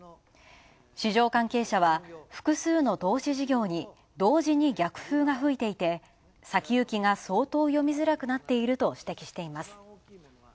市場関係者は、複数の投資事業に同時に逆風が吹いていて、先行きが相当読みづらくなっていると指摘しています。